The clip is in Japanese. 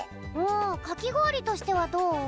かきごおりとしてはどう？